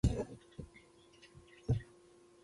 • د ملګري ملګرتیا د ژوند ارزښت لري.